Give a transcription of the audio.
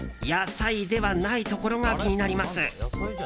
野菜ではないところが気になります。